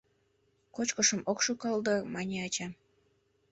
— Кочкышым ок шӱкал дыр, — мане ача.